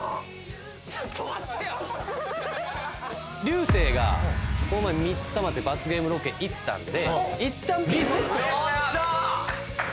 流星がこの前３つたまって罰ゲームロケ行ったんでいったんリセットされます